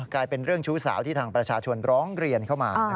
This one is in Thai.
กลายเป็นเรื่องชู้สาวที่ทางประชาชนร้องเรียนเข้ามา